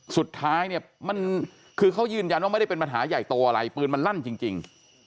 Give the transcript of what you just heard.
สุดท้ายเนี่ยมันคือเขายืนยันว่าไม่ได้เป็นปัญหาใหญ่โตอะไรปืนมันลั่นจริง